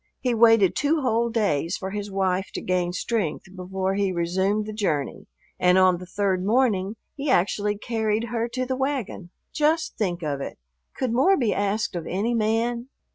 He waited two whole days for his wife to gain strength before he resumed the journey, and on the third morning he actually carried her to the wagon. Just think of it! Could more be asked of any man?